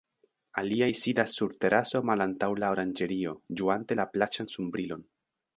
Aliaj sidas sur teraso malantaŭ la oranĝerio, ĝuante la plaĉan sunbrilon.